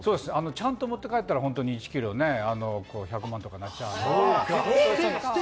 ちゃんと持って帰ったら、本当に１ｋｇ１００万とかになっちゃうから。